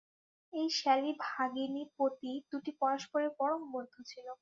এই শ্যালী-ভাগিনীপতি দুটি পরস্পরের পরম বন্ধু ছিল।